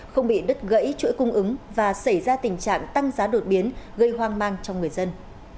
không bị đứt gãy chuỗi cung ứng và xảy ra tình trạng tăng giá đột biến gây hoang mang trong người dân